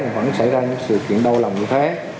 vẫn xảy ra những sự kiện đau lòng như thế